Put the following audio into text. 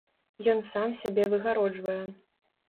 Ён сам сябе выгароджвае.